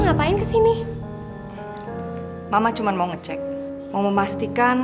namun namanya sudah allah yang saya tahan